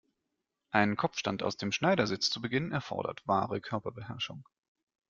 Einen Kopfstand aus dem Schneidersitz zu beginnen, erfordert wahre Körperbeherrschung.